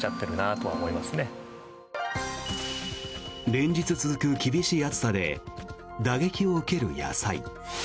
連日続く厳しい暑さで打撃を受ける野菜。